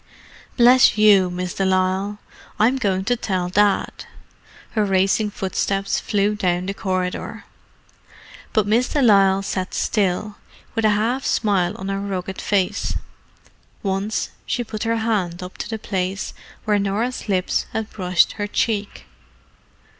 Bless you, Miss de Lisle! I'm going to tell Dad." Her racing footsteps flew down the corridor. But Miss de Lisle sat still, with a half smile on her rugged face. Once she put her hand up to the place where Norah's lips had brushed her cheek.